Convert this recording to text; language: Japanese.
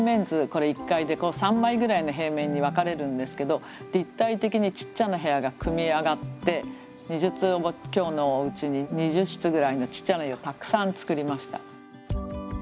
これ１階で３枚ぐらいの平面に分かれるんですけど立体的にちっちゃな部屋が組み上がって２０坪強のおうちに２０室ぐらいのちっちゃな部屋をたくさん作りました。